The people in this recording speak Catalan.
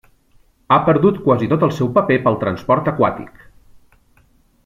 Ha perdut quasi tot el seu paper pel transport aquàtic.